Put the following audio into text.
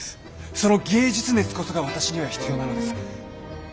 その芸術熱こそが私には必要なのです！